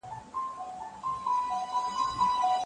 بریالیو خلګو پخوا ډېره مطالعه کړې وه.